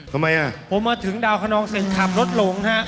ทำไมอ่ะพอมาถึงดาวคนนองเสร็จขับรถหลงฮะ